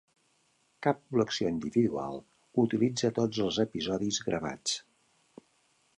Cap col·lecció individual utilitza tots els episodis gravats.